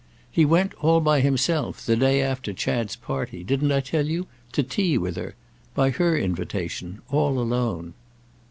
"He went, all by himself, the day after Chad's party—didn't I tell you?—to tea with her. By her invitation—all alone."